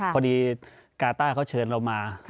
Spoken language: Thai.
พอดีกาต้าเขาเชิญเรามา